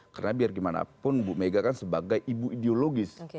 karena biar gimana pun buk mega kan sebagai ibu ideologis